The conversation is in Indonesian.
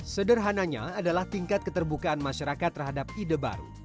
sederhananya adalah tingkat keterbukaan masyarakat terhadap ide baru